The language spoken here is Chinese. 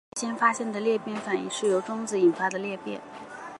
最先发现的裂变反应是由中子引发的裂变。